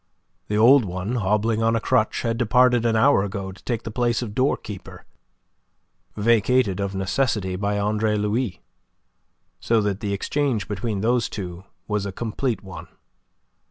The old one, hobbling on a crutch, had departed an hour ago to take the place of doorkeeper, vacated of necessity by Andre Louis. So that the exchange between those two was a complete one.